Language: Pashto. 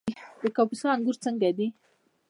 د کاپیسا انګور څنګه دي؟